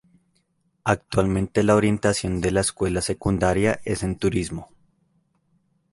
Actualmente la orientación de la escuela secundaria es en Turismo.